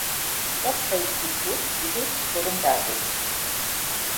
உடற்பயிற்சிக்கு இது பொருந்தாது.